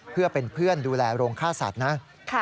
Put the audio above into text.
เพื่อเป็นเพื่อนดูแลโรงฆ่าสัตว์นะ